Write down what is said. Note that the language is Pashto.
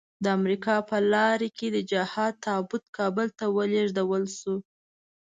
د امريکا په لارۍ کې د جهاد تابوت کابل ته ولېږدول شو.